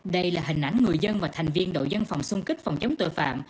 đây là hình ảnh người dân và thành viên đội dân phòng xung kích phòng chống tội phạm